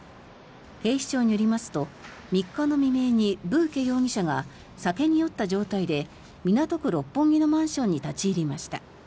警視庁によりますと３日の未明にブーケ容疑者が酒に酔った状態で港区六本木のマンションに立ち入りました。